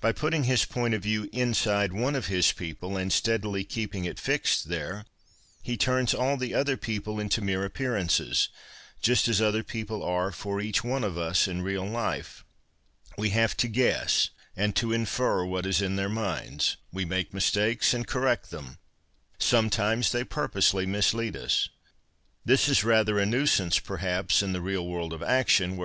By putting his point of view inside one of his people and steadily keeping it fixed there, he turns all the other people into mere appearances — just as other people are for each one of us in real life. We have to guess and to infer what is in their minds, we make mistakes and correct them ; sometimes they purposely mislead us. This is rather a nuisance, perhaps, in the real world of action, where our r.p.